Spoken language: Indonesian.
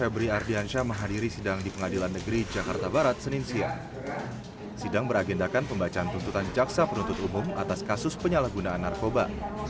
bersyukur juga jadi ada waktu kan untuk persiapan untuk play doi